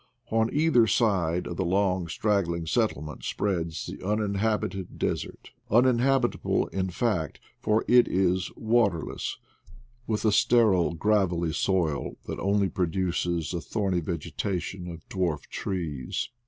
On either side of the long straggling settlement spreads the uninhabited desert — uninhabitable, in »••• UPLAND GEESE THE WAE WITH NATUEE ' 77 fact, for it is waterless, with a sterile gravelly soil that only produces a thorny vegetation of dwarf trees.